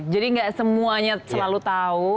jadi gak semuanya selalu tahu